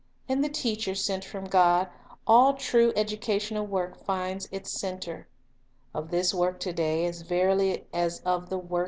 In the Teacher sent from God, all true educational work finds its center. Of this work to day as verily as of the work.